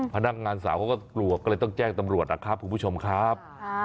พนักงานสาวเขาก็กลัวก็เลยต้องแจ้งตำรวจนะครับคุณผู้ชมครับ